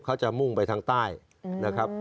เขาจะมุ่งไปทางใต้นะครับ